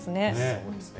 そうですね。